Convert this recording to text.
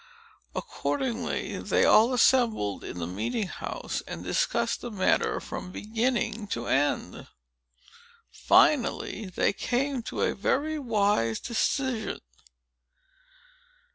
Accordingly, they all assembled in the meeting house, and discussed the matter from beginning to end. Finally, they came to a very wise decision.